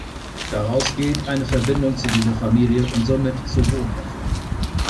Daraus geht eine Verbindung zu dieser Familie und somit zu Rom hervor.